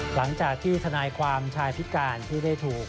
หลังจากที่ทนายความชายพิการที่ได้ถูก